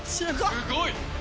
すごい。